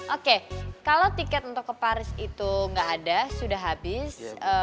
oke kalau tiket untuk ke paris itu nggak ada sudah habis